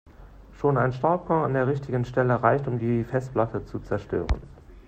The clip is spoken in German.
Schon ein Staubkorn an der richtigen Stelle reicht, um die Festplatte zu zerstören.